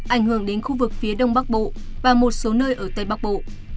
ảnh hưởng đến khu vực phía đông bắc bộ và một số nơi ở tây bắc bộ